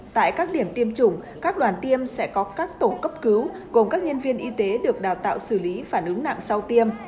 tại các điểm tiêm chủng các đoàn tiêm sẽ có các tổ cấp cứu gồm các nhân viên y tế được đào tạo xử lý phản ứng nặng sau tiêm